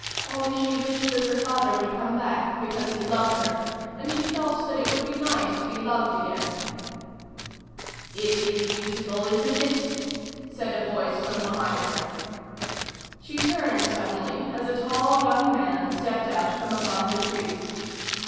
Only she wished that her father would come back, because he loved her, and she felt that it would be nice to be loved again. "It is beautiful, isn't it?" said a voice from behind her. She turned suddenly, as a tall young man stepped out from among the trees.